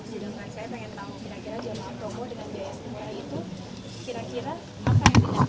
jadi saya ingin tahu kira kira jamaah progo dengan biaya semmurah itu